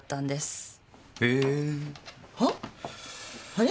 あれ？